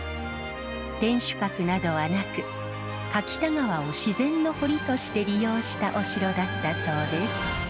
天守閣などはなく柿田川を自然の堀として利用したお城だったそうです。